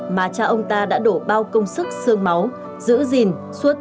mà cha ông ta đã đổ bao công sức xương máu giữ gìn suốt bốn mươi bảy năm qua